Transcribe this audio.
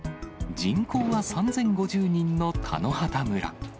人口は３０５０人の田野畑村。